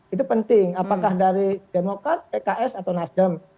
itu penting apakah dari demokrat pks atau nasdem